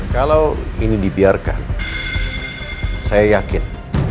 kalau ini dibiarkan saya yakin